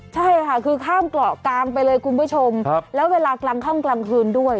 ใช่ค่ะคือข้ามเกาะกลางไปเลยคุณผู้ชมแล้วเวลากลางค่ำกลางคืนด้วย